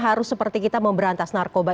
harus seperti kita memberantas narkoba